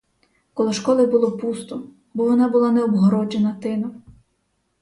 Коло школи було пусто, бо вона була не обгороджена тином.